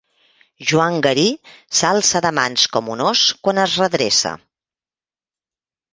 Joan Garí s’alça de mans com un ós quan es redreça.